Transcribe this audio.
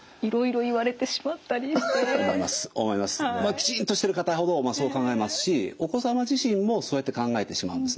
きちんとしてる方ほどそう考えますしお子様自身もそうやって考えてしまうんですね。